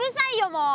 もう。